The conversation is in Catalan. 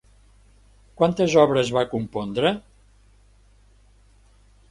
Quantes obres va compondre?